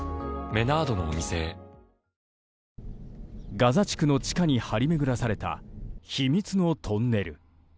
ガザ地区の地下に張り巡らされた秘密のトンネル。